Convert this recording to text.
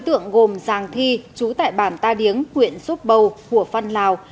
tượng gồm giàng thi chú tại bản ta điếng huyện sốt bầu hùa phân lào